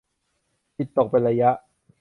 จิตตกเป็นระยะ